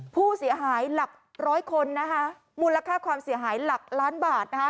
ผู้เสียหายหลักร้อยคนนะคะมูลค่าความเสียหายหลักล้านบาทนะคะ